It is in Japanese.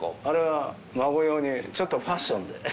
あれは孫用にファッションで。